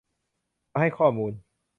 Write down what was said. มาให้ข้อมูล